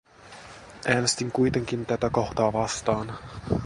Äänestin kuitenkin tätä kohtaa vastaan.